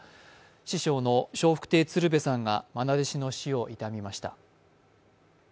師匠の笑福亭鶴瓶さんがまな弟子の死を悼みました。